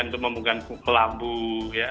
untuk membangun kelambu ya